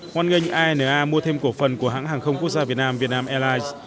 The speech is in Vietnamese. hoan nghênh ana mua thêm cổ phần của hãng hàng không quốc gia việt nam việt nam airlines